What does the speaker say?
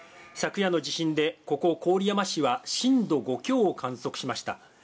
昨夜の地震でここ郡山市は震度５強を観測しました。